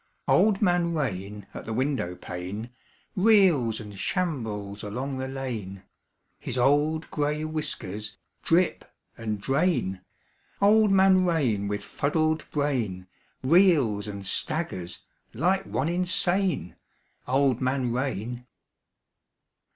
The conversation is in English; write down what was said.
Old Man Rain at the windowpane Reels and shambles along the lane: His old gray whiskers drip and drain: Old Man Rain with fuddled brain Reels and staggers like one insane. Old Man Rain.